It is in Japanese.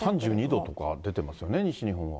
３２度とか出てますよね、西日本は。